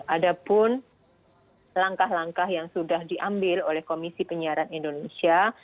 ada pun langkah langkah yang sudah diambil oleh komisi penyiaran indonesia